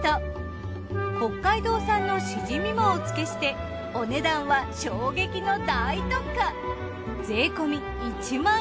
北海道産のしじみもお付けしてお値段は衝撃の大特価。